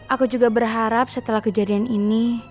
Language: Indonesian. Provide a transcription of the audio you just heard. aku juga berharap setelah kejadian ini